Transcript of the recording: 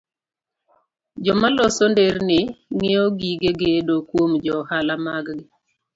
Joma loso nderni ng'iewo gige gedo kuom jo ohala maggi